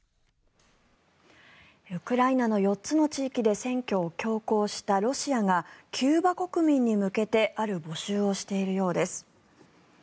ウクライナの４つの地域で選挙を強行したロシアがキューバ国民に向けてある募集をしているようです。